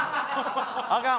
あかん